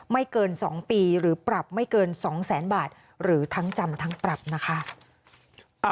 ไม่เกิน๒ปีหรือปรับไม่เกิน๒แสนบาทหรือทั้งจำทั้งปรับนะคะ